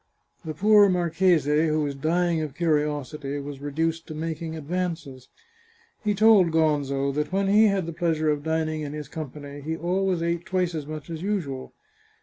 The poor marchese, who was dying of curiosity, was reduced to making advances. He told Gonzo that when he had the pleasure of dining in his company he always ate twice as much as usual.